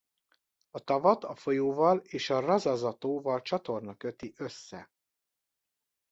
A tavat a folyóval és a Razaza-tóval csatorna köti össze.